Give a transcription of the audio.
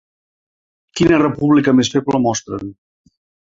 Quina república més feble mostren.